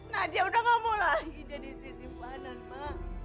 nadia sudah enggak mau lagi jadi sisipanan ma